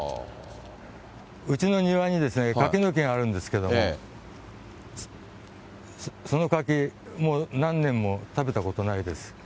うちの庭に柿の木があるんですけども、その柿もう何年も食べたことないです。